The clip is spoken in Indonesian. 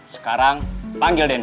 sekarang panggil denny